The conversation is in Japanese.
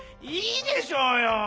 いいでしょうよ！